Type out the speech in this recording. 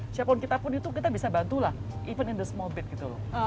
siapapun kita pun itu kita bisa bantu lah even in the small bit gitu loh